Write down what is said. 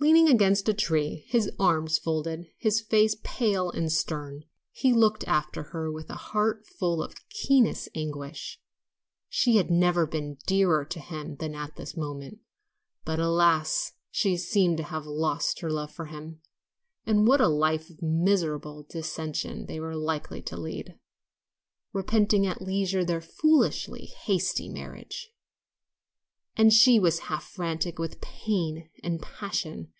Leaning against a tree, his arms folded, his face pale and stern, he looked after her with a heart full of keenest anguish. She had never been dearer to him than at this moment, but alas, she seemed to have lost her love for him, and what a life of miserable dissension they were likely to lead, repenting at leisure their foolishly hasty marriage! And she was half frantic with pain and passion.